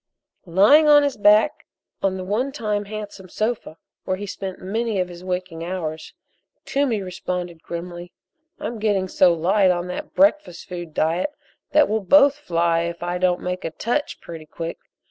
Lying on his back on the one time handsome sofa, where he spent many of his waking hours, Toomey responded, grimly: "I'm getting so light on that breakfast food diet that we'll both fly if I don't make a 'touch' pretty quick.